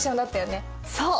そう！